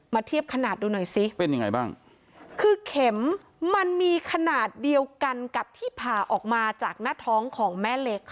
เทียบขนาดดูหน่อยซิเป็นยังไงบ้างคือเข็มมันมีขนาดเดียวกันกับที่ผ่าออกมาจากหน้าท้องของแม่เล็กค่ะ